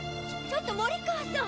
ちょっと森川さん！